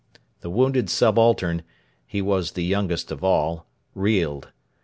The wounded subaltern he was the youngest of all reeled.